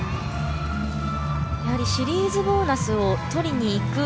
シリーズボーナスを取りにいく。